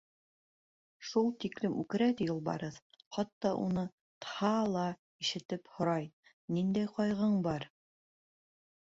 — Шул тиклем үкерә, ти, Юлбарыҫ, хатта уны Тһа ла ишетеп һорай: «Ниндәй ҡайғың бар?»